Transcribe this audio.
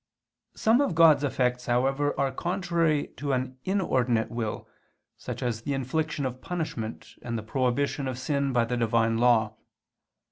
Some of God's effects, however, are contrary to an inordinate will, such as the infliction of punishment, and the prohibition of sin by the Divine Law.